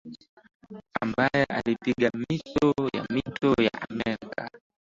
ambaye alipiga mito ya mito ya Amerika